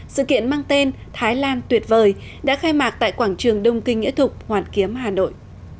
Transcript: sự kiện mang tên thái lan tuyệt vời đã khai mạc tại quảng trường đông kinh nghĩa thục hoàn kiếm hà nội